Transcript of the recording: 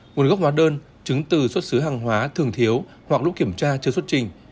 nguồn gốc hóa đơn chứng từ xuất xứ hàng hóa thường thiếu hoặc lúc kiểm tra chưa xuất trình